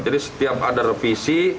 jadi setiap ada revisi